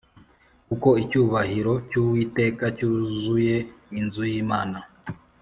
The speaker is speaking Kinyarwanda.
kuko icyubahiro cy’uwiteka cyuzuye inzu y’imana